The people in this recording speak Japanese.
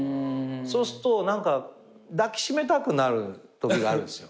そうすると何か抱き締めたくなる時があるんです。